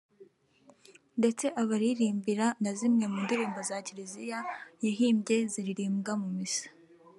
ndetse abaririmbira na zimwe mu ndirimbo za Kiriziya yahimbye ziririmbwa mu Missa